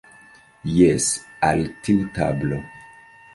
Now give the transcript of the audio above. Jes, al tiu tablo.